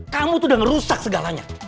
kamu tuh udah ngerusak segalanya